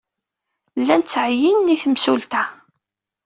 Llan ttɛeyyinen i temsulta.